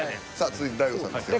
続いて大悟さんですよ。